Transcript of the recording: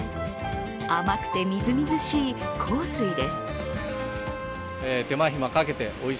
甘くてみずみずしい幸水です。